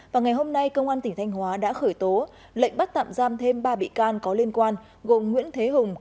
và ngày hôm nay công an tỉnh thanh hóa đã khởi tố lệnh bắt tạm giam thêm ba bị can có liên quan gồm nguyễn thế hùng